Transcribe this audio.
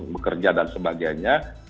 bekerja dan sebagainya